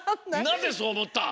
なぜそうおもった？